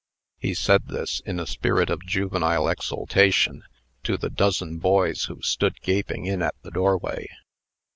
He said this, in a spirit of juvenile exultation, to the dozen boys who stood gaping in at the doorway.